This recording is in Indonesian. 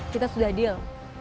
kita sudah deal